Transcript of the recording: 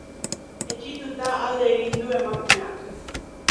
Etsituta alde egin du emakumeak.